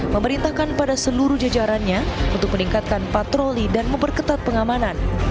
memerintahkan pada seluruh jajarannya untuk meningkatkan patroli dan memperketat pengamanan